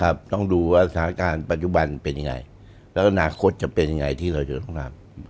ต้องดูว่าสถานการณ์ปัจจุบันเป็นยังไงแล้วอนาคตจะเป็นยังไงที่เราจะต้องนำ